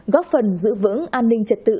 góp phần giữ vững an ninh trật tự